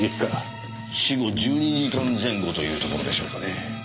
死後１２時間前後というところでしょうかね。